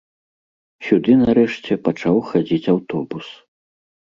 Сюды, нарэшце, пачаў хадзіць аўтобус.